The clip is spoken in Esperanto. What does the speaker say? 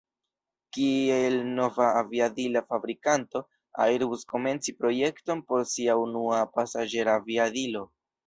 Kiel nova aviadila fabrikanto, Airbus komencis projekton por sia unua pasaĝeraviadilo.